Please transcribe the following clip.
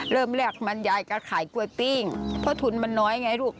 เริ่มแรกมันยายก็ขายกล้วยปิ้งเพราะทุนมันน้อยไงลูก